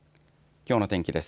きょうの天気です。